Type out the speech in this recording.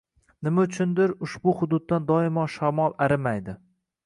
Nima uchundir, ushbu hududdan doimo shamol arimaydi